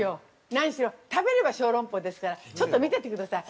何しろ、「食べれば小籠包」ですからちょっと見ててください。